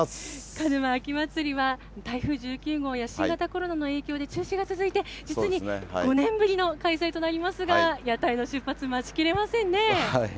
鹿沼秋まつりは台風１９号や新型コロナの影響で中止が続いて、実に５年ぶりの開催となりますが、屋台の出発、待ちきれませんね。